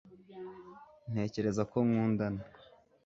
ntekereza ko nkundana